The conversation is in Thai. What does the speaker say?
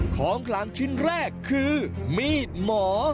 ของกลางชิ้นแรกคือมีดหมอ